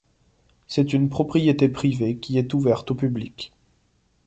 C'est une propriété privée qui est ouverte au public.